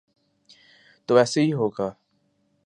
تو ایسے ہی ہوگا۔